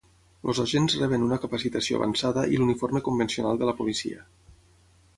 Els agents reben una capacitació avançada i l'uniforme convencional de la policia.